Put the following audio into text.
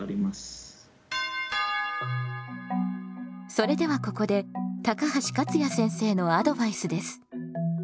それではここで高橋勝也先生のアドバイスです。